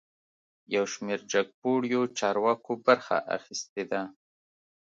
یوشمیر جګپوړیو چارواکو برخه اخیستې ده